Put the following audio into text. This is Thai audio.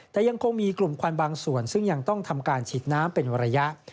แต่ยังคงมีกลุ่มควันบางส่วนซึ่งยังต้องทำการฉีดน้ำเป็นระยะ